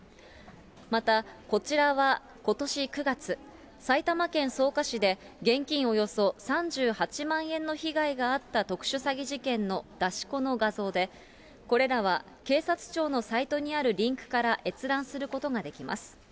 また、こちらはことし９月、埼玉県草加市で、現金およそ３８万円の被害があった特殊詐欺事件の出し子の画像で、これらは警察庁のサイトにあるリンクから閲覧することができます。